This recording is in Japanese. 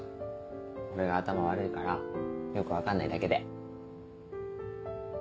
俺が頭悪いからよく分かんないだけで。